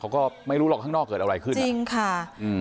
เขาก็ไม่รู้หรอกข้างนอกเกิดอะไรขึ้นจริงค่ะอืม